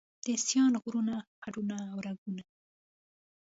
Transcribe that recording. د سیاڼ غرونو هډونه او رګونه